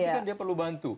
tapi kan dia perlu bantu